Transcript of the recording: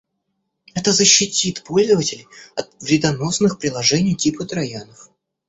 Это защитит пользователей от вредоносных приложений типа троянов